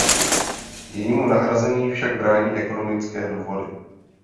Jejímu nahrazení však brání ekonomické důvody.